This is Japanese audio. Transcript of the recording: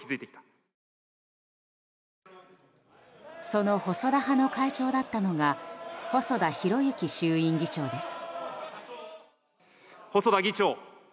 その細田派の会長だったのが細田博之衆院議長です。